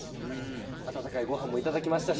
温かいご飯もいただきましたし。